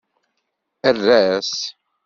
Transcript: Err-as.